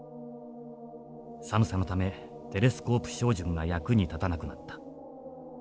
寒さのためテレスコープ照準が役に立たなくなった。